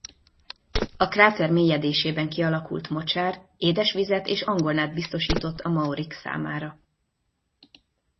A kráter mélyedésében kialakult mocsár édesvizet és angolnát biztosított a maorik számára.